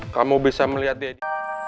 kamu bisa melihat daddy